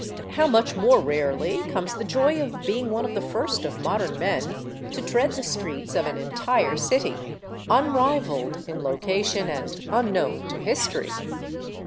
How much more rarely comes the joy of being one of the first of modern men to tread the streets of an entire city, unrivaled in location and unknown to his tory